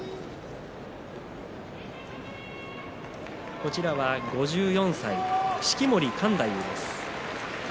こちらは５４歳、式守勘太夫です。